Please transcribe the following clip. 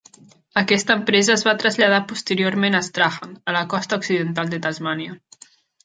Aquesta empresa es va traslladar posteriorment a Strahan, a la costa occidental de Tasmània.